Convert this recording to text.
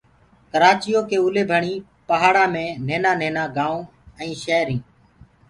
ڪرآچيو ڪي اوليڀڻيٚ پهآڙآنٚ مي نهينآ نهينآ گآئونٚ ائينٚ شير هينٚ